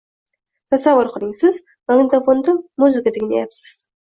Tasavvur qiling: siz magnitafonda muzika tinglayapsiz.